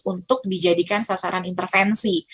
untuk dijadikan sasaran intervensi